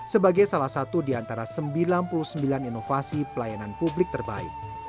sebagai salah satu di antara sembilan puluh sembilan inovasi pelayanan publik terbaik